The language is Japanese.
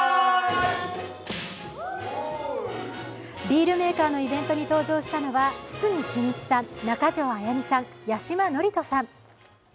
ビールメーカーのイベントに登場したのは堤真一さん、中条あやみさん、八嶋智人さん。